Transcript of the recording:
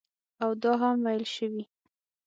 او دا هم ویل شوي